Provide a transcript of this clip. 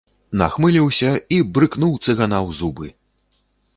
Нахмыліўся і брыкнуў цыгана ў зубы.